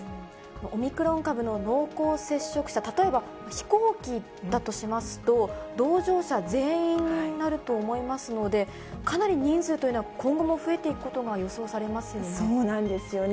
オミクロン株の濃厚接触者、例えば飛行機だとしますと、同乗者全員になると思いますので、かなり人数というのは今後も増えていくことが予想されますよね。